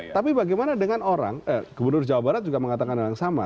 tapi bagaimana dengan orang gubernur jawa barat juga mengatakan hal yang sama